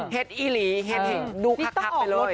เห็ดอีหรี่เห็ดเห็นดูคักไปเลย